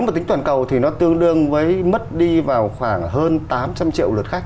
và tính toàn cầu thì nó tương đương với mất đi vào khoảng hơn tám trăm linh triệu lượt khách